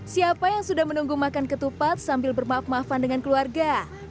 siapa yang sudah menunggu makan ketupat sambil bermaaf maafan dengan keluarga